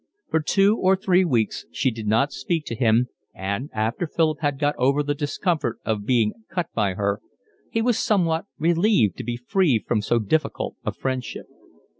For two or three weeks she did not speak to him, and, after Philip had got over the discomfort of being cut by her, he was somewhat relieved to be free from so difficult a friendship.